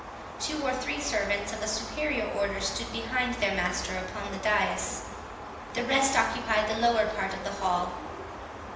Two or three servants of a superior order stood behind their master upon the dais; the rest occupied the lower part of the hall.